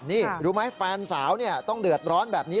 นี่รู้ไหมแฟนสาวต้องเดือดร้อนแบบนี้